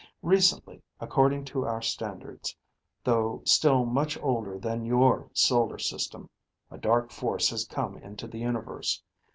"Recently according to our standards, though still much older than your solar system, a dark force has come into the universe.